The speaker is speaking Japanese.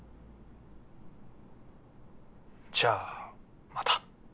じゃあまた。